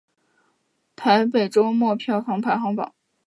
台北周末票房排行榜